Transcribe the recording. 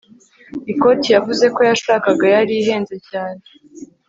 ikoti yavuze ko yashakaga yari ihenze cyane